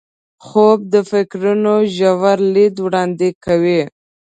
خوب د فکرونو ژور لید وړاندې کوي